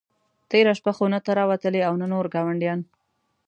تېره شپه خو نه ته را وتلې او نه نور ګاونډیان.